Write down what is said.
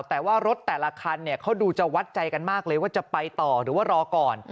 แต่ว่ารถแต่ละคันเขาดูจะวัดใจกันมากเลยว่าจะไปต่อหรือว่ารอก่อน